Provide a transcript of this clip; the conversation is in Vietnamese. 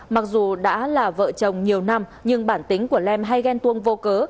mặc dù đã là vợ chồng nhiều năm nhưng bản tính của lem hay ghen tuông vô cớ